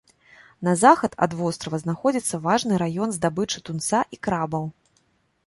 На захад ад вострава знаходзіцца важны раён здабычы тунца і крабаў.